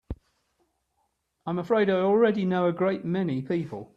I'm afraid I already know a great many people.